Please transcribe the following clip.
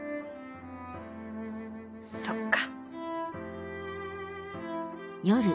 そっか。